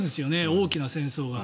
大きな戦争が。